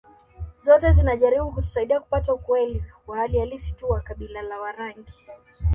Zote zinajaribu kutusaidia kupata ukweli wa hali halisi tu wa kabila la Warangi